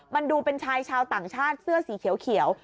มันดูเป็นชายชาวต่างชาติเสื้อสีเขียว